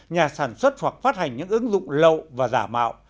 nhà sản xuất hoặc phát hành những ứng dụng lậu và giả mạo